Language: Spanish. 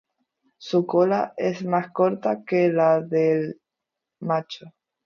Su cola es más corta que la del macho.